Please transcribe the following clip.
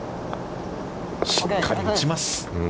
しっかり打ちます。